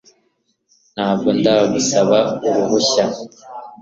Ntabwo ndagusaba uruhushya